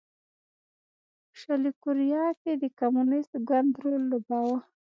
په شلي کوریا کې د کمونېست ګوند رول لوباوه.